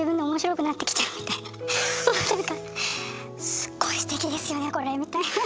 「すっごいすてきですよねこれ」みたいな。